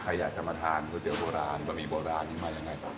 ใครอยากจะมาทานก๋วยเตี๋ยโบราณบะหมี่โบราณนี้มายังไงต่อ